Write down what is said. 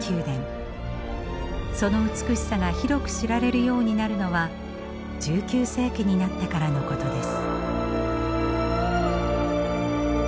その美しさが広く知られるようになるのは１９世紀になってからのことです。